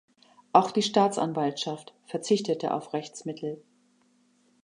Auch die Staatsanwaltschaft verzichtete auf Rechtsmittel.